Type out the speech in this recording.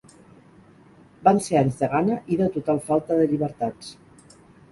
Van ser anys de gana i de total falta de llibertats.